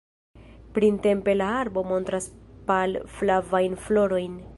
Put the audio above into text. Printempe la arbo montras pal-flavajn florojn.